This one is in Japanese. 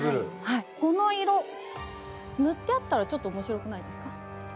この色塗ってあったらちょっと面白くないですか？